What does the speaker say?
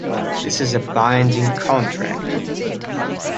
This is a binding contract.